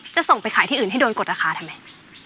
จะส่งไปขายที่อื่นให้โดนกดราคาทำไม